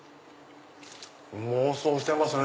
妄想してますね。